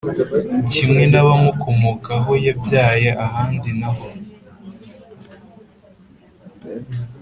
Kimwe n abamukomokaho yabyaye ahandi naho